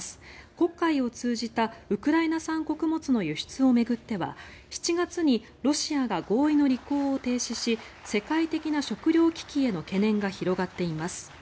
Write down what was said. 黒海を通じたウクライナ産穀物の輸出を巡っては７月にロシアが合意の履行を停止し世界的な食糧危機への懸念が広がっています。